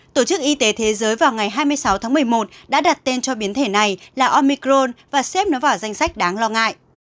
tổ chức y tế thế giới vào ngày hai mươi sáu tháng một mươi một đã đặt tên cho biến thể này là omicron và xếp nó vào danh sách đáng lo ngại